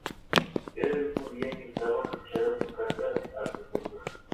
Era el mismo día en que estaba fechada su carta al sacerdote.